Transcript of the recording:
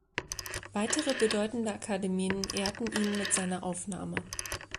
Weitere bedeutende Akademien ehrten ihn mit seiner Aufnahme.